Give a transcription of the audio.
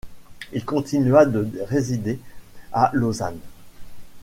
Il continua de résider à Lausanne.